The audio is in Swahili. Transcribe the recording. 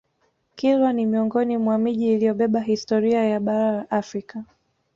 Kilwa ni miongoni mwa miji iliyobeba historia ya Bara la Afrika